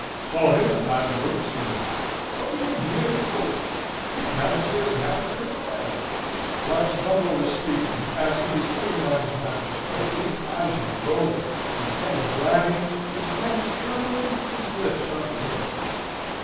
"Whar? Saw him at Madame Bernstein's house. Come with him here in the coach! He downstairs now with Colonel Lambert!" Whilst Gumbo is speaking, as he is putting on his master's coat, his eyes are rolling, his head is wagging, his hands are trembling, his lips are grinning.